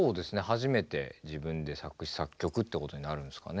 初めて自分で作詞作曲ってことになるんですかね